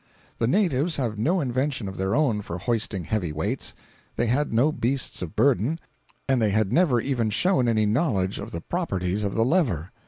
The natives have no invention of their own for hoisting heavy weights, they had no beasts of burden, and they have never even shown any knowledge of the properties of the lever.